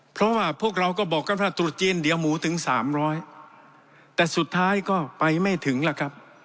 เพราะว่าพวกเราก็บอกกันว่าตรุษจีนเดี๋ยวหมูถึงสามร้อยแต่สุดท้ายก็ไปไม่ถึงล่ะครับ